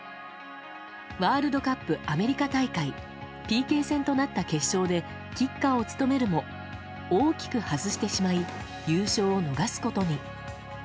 ワールドカップアメリカ大会ＰＫ戦となった決勝でキッカーを務めるも大きく外してしまい優勝を逃すことに。